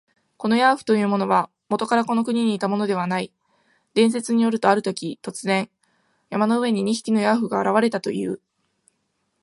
このヤーフというものは、もとからこの国にいたものではない。伝説によると、あるとき、突然、山の上に二匹のヤーフが現れたという。